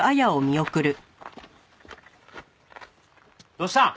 どうしたん？